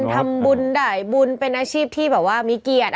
ทำบุญได้บุญเป็นอาชีพที่แบบว่ามีเกียรติ